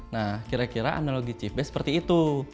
nah kira kira analogi chief base seperti itu